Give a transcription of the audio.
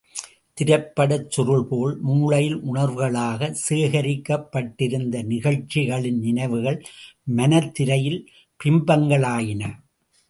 திரைப்படச் சுருள்போல், மூளையில் உணர்வுகளாகச் சேகரிக்கப்பட்டிருந்த நிகழ்ச்சிகளின் நினைவுகள் மனத்திரையில் பிம்பங்களாயின.